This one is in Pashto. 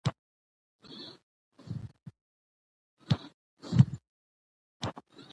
باسواده ښځې د خپلو خاوندانو سره ښه مشوره کوي.